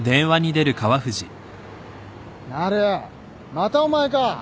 またお前か。